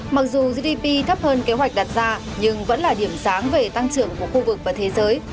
mặc dù gdp thấp hơn kế hoạch đặt ra nhưng vẫn là điểm sáng về tăng trưởng của khu vực và thế giới